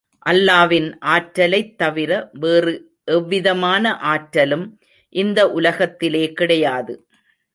அல்லாவின் ஆற்றலைத் தவிர வேறு எவ்விதமான ஆற்றலும் இந்த உலகத்திலே கிடையாது.